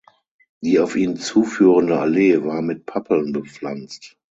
Die auf ihn zuführende Allee war mit Pappeln bepflanzt.